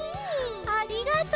ありがとう！